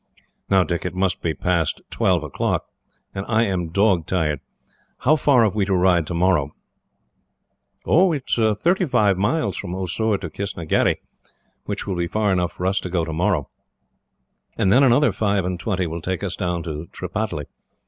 "Now, Dick, it must be past twelve o'clock, and I am dog tired. How far have we to ride tomorrow?" "It is thirty five miles from Oussoor to Kistnagherry, which will be far enough for us to go tomorrow, and then another five and twenty will take us down to Tripataly.